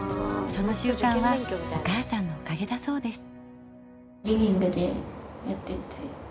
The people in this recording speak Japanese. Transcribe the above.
その習慣はお母さんのおかげだそうです。